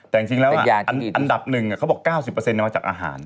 แต่จริงแล้วอันดับหนึ่งเขาบอก๙๐มาจากอาหาร